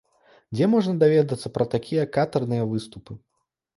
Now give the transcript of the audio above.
Дзе можна даведацца пра такія катэрныя выступы.